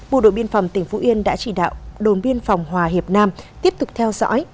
bộ đội biên phòng tỉnh phú yên đã chỉ đạo đồn biên phòng hòa hiệp nam tiếp tục theo dõi